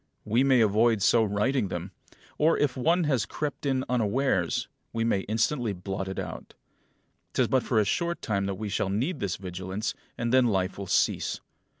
We may avoid so writing them; or, if one has crept in unawares, we may instantly blot it out. 'Tis but for a short time that we shall need this vigilance, and then life will cease.